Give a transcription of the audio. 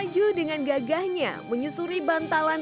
jalan jalan ke kota bengawan